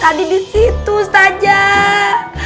tadi di situ ustazah